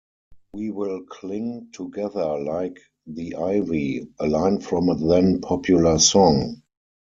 'We will cling together like the ivy', a line from a then-popular song.